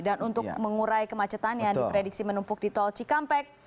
dan untuk mengurai kemacetan yang diprediksi menumpuk di tol cikampek